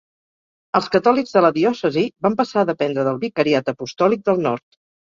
Els catòlics de la diòcesi van passar a dependre del vicariat apostòlic del nord.